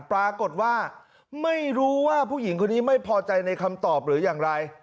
ปรากฏว่าไม่รู้ว่าผู้หญิงคนนี้ไม่พอใจในคำตอบหรืออย่างไร